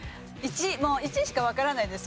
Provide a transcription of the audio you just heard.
１位しかわからないです。